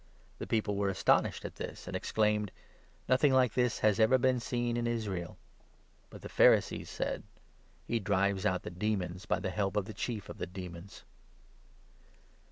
The people were astonished at this, and exclaimed :" Nothing like this has ever been seen in Israel !" But the Pharisees said : 34 "He drives out the demons by the help of the chief of the demons."